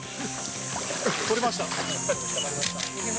取りました。